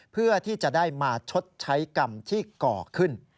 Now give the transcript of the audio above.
เพื่อที่จะได้มาชดใช้กรรมที่ก่อขึ้น